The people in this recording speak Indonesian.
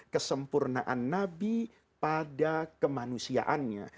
kesempurnaan nabi pada kemanusiaannya